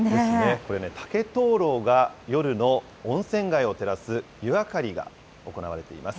これね、竹灯籠が夜の温泉街を照らす湯あかりが行われています。